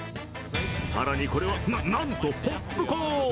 更に、これはなんとポップコーン。